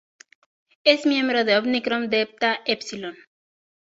Es miembro de Omicron Delta Epsilon.